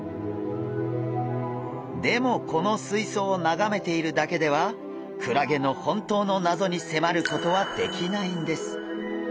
でもこのすいそうをながめているだけではクラゲの本当の謎にせまることはできないんです。